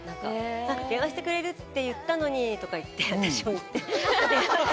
電話してくれるって言ったのに！とか言って私も。